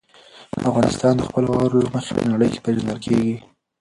افغانستان د خپلو واورو له مخې په نړۍ کې پېژندل کېږي.